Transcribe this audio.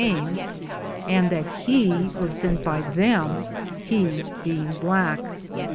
came and that he was sent by them, he being black.